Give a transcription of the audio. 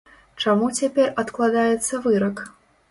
Чаму цяпер адкладаецца вырак?